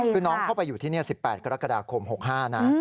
คือน้องเข้าไปอยู่ที่นี่๑๘กรกฎาคม๖๕นะ